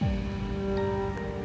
di diketahui untuk prinsip legislatif